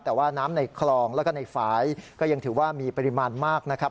แต่ว่าน้ำในคลองแล้วก็ในฝ่ายก็ยังถือว่ามีปริมาณมากนะครับ